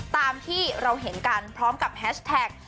ตามที่เราเห็นกันพร้อมกับแฮชแท็ก